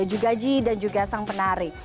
termasuk naga bonar ada juga ji dan juga sang penari